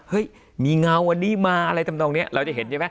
เฮ้ยมีเงาอันนี้มาอะไรทำนองนี้เราจะเห็นใช่ไหม